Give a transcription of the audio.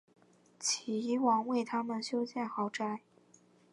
齐王为他们修建豪宅。